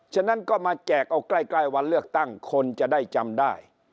ฉะนั้นก็มาแจกเอาใกล้วันเลือกตั้งคนจะได้จำได้